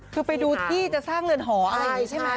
คือไปดูที่จะสร้างเรือนหออะไรอย่างนี้ใช่ไหม